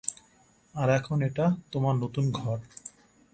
আর এখন এটা তোমার নতুন ঘর।